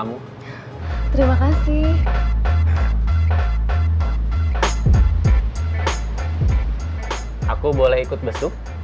mengcat ati tombol kamu